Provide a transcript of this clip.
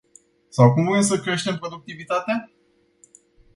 Sau cum vrem să creștem productivitatea?